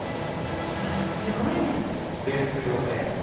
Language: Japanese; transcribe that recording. いやぁすごいね。ですよね。